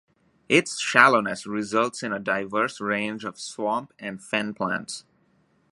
Its shallowness results in a diverse range of swamp and fen plants.